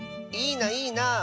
いいないいな。